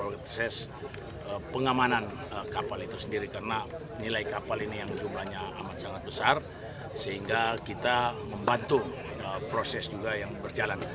proses pengamanan kapal itu sendiri karena nilai kapal ini yang jumlahnya amat sangat besar sehingga kita membantu proses juga yang berjalan